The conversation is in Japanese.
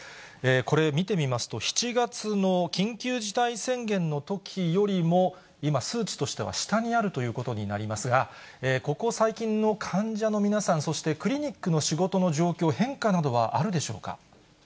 これ、見てみますと、７月の緊急事態宣言のときよりも今、数値としては下にあるということになりますが、ここ最近の患者の皆さん、そしてクリニックの仕事の状況、変化などはあるでしょうか。